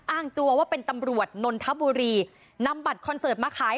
อ้างตัวว่าเป็นตำรวจนนทบุรีนำบัตรคอนเสิร์ตมาขาย